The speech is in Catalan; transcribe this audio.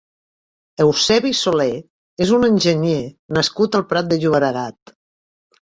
Eusebi Soler és un enginyer nascut al Prat de Llobregat.